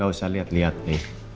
gak usah liat liat nih